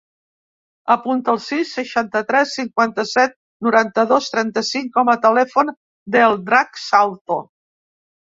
Apunta el sis, seixanta-tres, cinquanta-set, noranta-dos, trenta-cinc com a telèfon del Drac Salto.